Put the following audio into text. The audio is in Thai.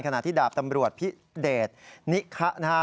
ขณะที่ดาบตำรวจพิเดชนิคะนะฮะ